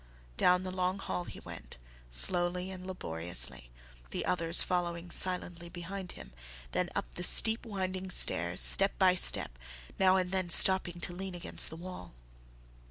Down the long hall he went, slowly and laboriously, the others following silently behind him, then up the steep winding stairs, step by step, now and then stopping to lean against the wall.